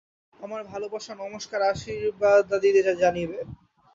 আমার ভালবাসা, নমস্কার, আশীর্বাদাদি জানিবে।